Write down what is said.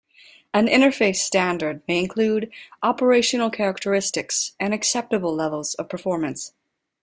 An interface standard may include operational characteristics and acceptable levels of performance.